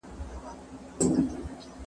افغان خبریالان د کار کولو مساوي حق نه لري.